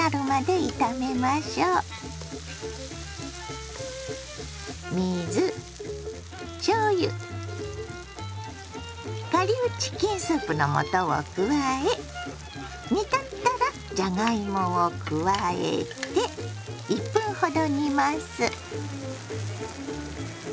水しょうゆ顆粒チキンスープの素を加え煮立ったらじゃがいもを加えて１分ほど煮ます。